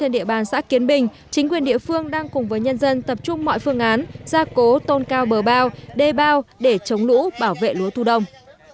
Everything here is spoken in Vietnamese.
để bảo vệ trà lúa này chính quyền địa phương cùng với người dân đã bàn thảo thống nhất phương án góp tiền trên đầu công để chống lũ bảo vệ lúa thu đông